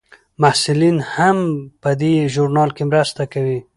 محصلین هم په دې ژورنال کې مرسته کوي.